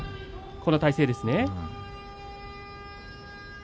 この体勢ですね。